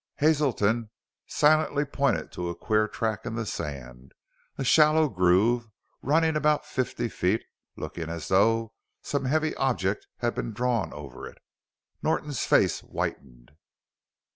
Hazelton silently pointed to a queer track in the sand a shallow groove running about fifty feet, looking as though some heavy object had been drawn over it. Norton's face whitened.